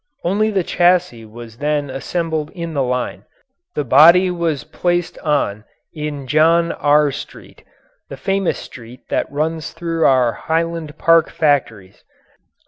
Only the chassis was then assembled in the line. The body was placed on in "John R. Street" the famous street that runs through our Highland Park factories.